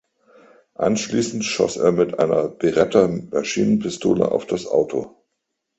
Anschließend schoss er mit einer Beretta-Maschinenpistole auf das Auto.